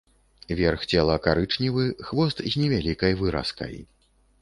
Верх цела карычневы, хвост з невялікай выразкай.